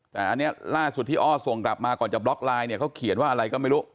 แต่อันนี้ล่าสุดที่อ้อส่งกลับมาก่อนจะบล็อกไลน์เนี่ยเขาเขียนว่าอะไรก็ไม่รู้